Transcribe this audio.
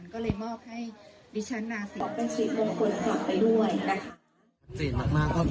ก็เลยมอบให้วิชานาศิลป์เป็นชีพวงศ์คนสำหรับไปด้วย